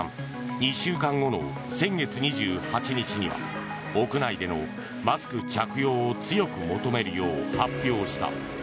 ２週間後の先月２８日には屋内でのマスク着用を強く求めるよう発表しました。